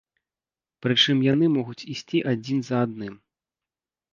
Прычым яны могуць ісці адзін за адным.